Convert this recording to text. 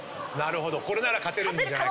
これなら勝てるんじゃないかと？